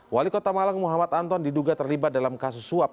wali kota malang muhammad anton diduga terlibat dalam kasus suap